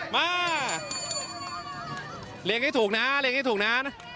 มาเลี้ยงให้ถูกนะเลี้ยให้ถูกนะ